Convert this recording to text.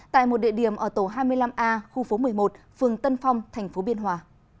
tại một địa điểm ở tổ hai mươi năm a khu phố một mươi một phường tân phong tp biên hòa